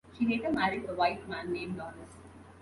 She later married a white man named Dorris.